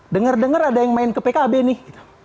dengar dengar ada yang main ke pkb nih